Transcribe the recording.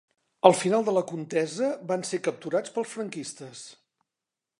Al final de la contesa va ser capturat pels franquistes.